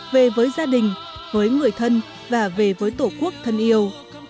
về với gia đình với người thân và về với tổ quốc thân yêu